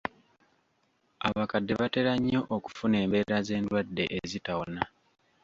Abakadde batera nnyo okufuna embeera z'endwadde ezitawona.